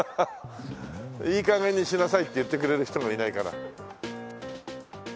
いい加減にしなさいって言ってくれる人がいないから。